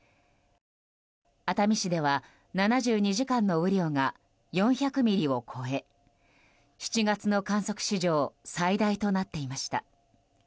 熱海市では７２時間の雨量が４００ミリを超え７月の観測史上最大となっていました。